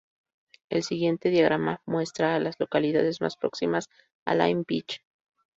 El siguiente diagrama muestra a las localidades más próximas a Lime Village.